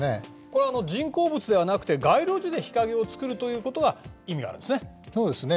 これは人工物ではなくて街路樹で日陰を作るということが意味があるんですね。